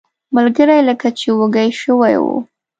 ملګري لکه چې وږي شوي وو.